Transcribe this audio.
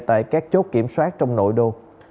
tại các chốt kiểm soát trong nội đô